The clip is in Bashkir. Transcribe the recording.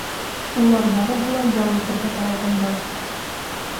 Улар барыһы ла ял итергә таралғандар.